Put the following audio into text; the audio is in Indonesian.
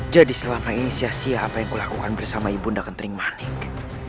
jadi selama ini sia sia apa yang kulakukan bersama ibunda kentering manik